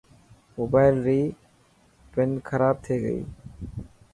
موبائل ري پن کراب ٿي گئي.